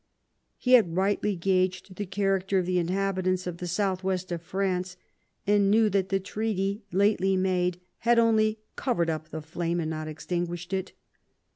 He had rightly gauged the character of the inhabitants of the south west of France, and knew that the treaty lately made had only " covered up the flame and not extinguished it."